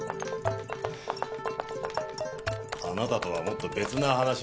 あなたとはもっと別な話がしたいな。